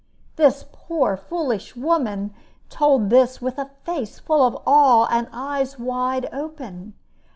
The poor foolish woman told this with a face full of awe and eyes wide open.